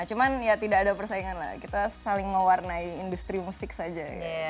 cuman ya tidak ada persaingan lah kita saling mewarnai industri musik saja